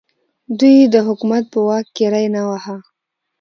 دوی د حکومت په واک کې ری نه واهه.